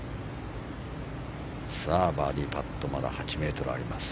さあ、バーディーパットまだ８ｍあります。